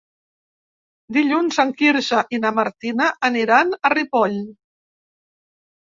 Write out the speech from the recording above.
Dilluns en Quirze i na Martina aniran a Ripoll.